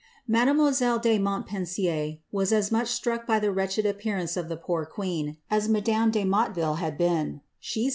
'' Mademoiselle de Montpensier was as much struck by the wretched appearance of the poor queen, as madame de Motteville had been ; she •fs.